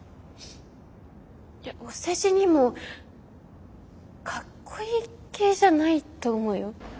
いやお世辞にもかっこいい系じゃないと思うよ。